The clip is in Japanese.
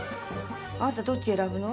あんたどっち選ぶの？